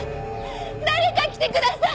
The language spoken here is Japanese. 誰か来てください！